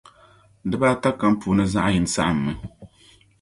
dib' ata kam puuni zaɣ' yini saɣimmi.